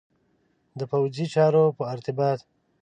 د پوځي چارو په ارتباط.